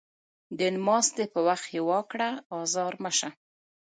د نماستي په وخت يې وا کړه ازار مه شه